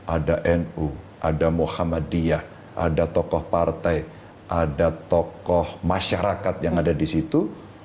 ada nu ada muhammadiyah ada tokoh partai ada tokoh masyarakat yang ada di situ